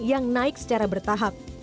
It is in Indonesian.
yang naik secara bertahap